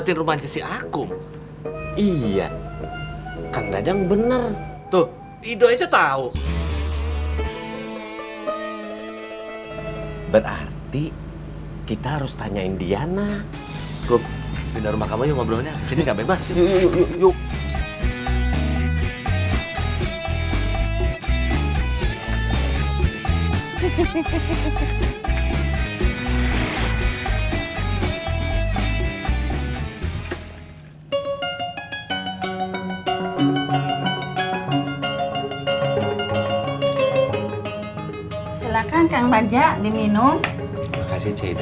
terima kasih ya